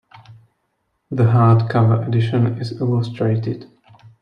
The hardcover edition is illustrated.